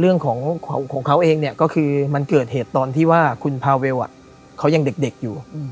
เรื่องของของเขาเองก็คือมันเกิดเหตุตอนที่ว่าคุณพาเวลเขายังเด็กอยู่